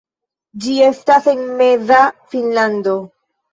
Ĝi estas en Meza Finnlando.